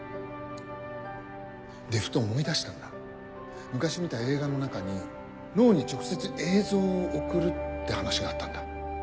でふと思い出したんだ昔見た映画の中に脳に直接映像を送るって話があったんだ。